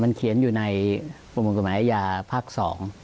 มันเขียนอยู่ในประมวลกฎหมายอาญาภาค๒